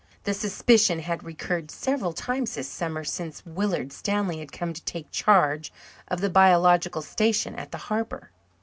The suspicion had recurred several times this summer since Willard Stanley had come to take charge of the biological station at the harbour.